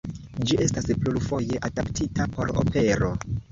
Ĝi estas plurfoje adaptita por opero.